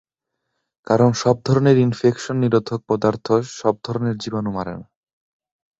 কারণ সব ধরনের ইনফেকশন-নিরোধক পদার্থ সব ধরনের জীবাণু মারে না।